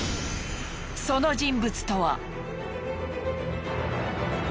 その人物とは。